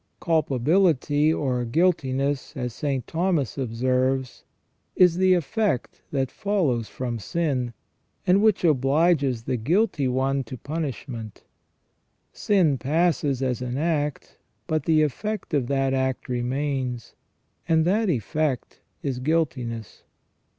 Culpability or guiltiness, as St. Thomas observes, is the effect that follows from sin, and which obliges the guilty one to punish ment. Sin passes away as an act, but the effect of that act remains, and .that effect is guiltiness.